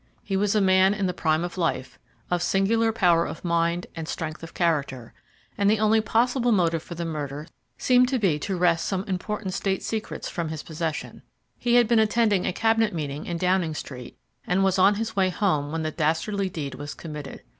He was a man in the prime of life, of singular power of mind and strength of character, and the only possible motive for the murder seemed to be to wrest some important State secrets from his possession. He had been attending a Cabinet meeting in Downing Street, and was on his way home when the dastardly deed was committed.